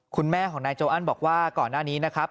คุณแม่ของนายโจอันบอกว่าก่อนหน้านี้นะครับ